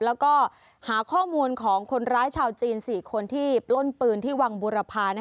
แล้วก็หาข้อมูลของคนร้ายชาวจีน๔คนที่ปล้นปืนที่วังบุรพา